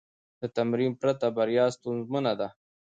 د تمرین پرته، بریا ستونزمنه ده.